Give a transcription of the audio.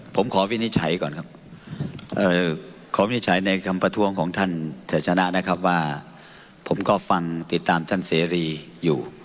ผมขอวินิจฉัยก่อนครับขอวินิจฉัยในคำประท้วงของท่านเฉชนะนะครับว่าผมก็ฟังติดตามท่านเสรีอยู่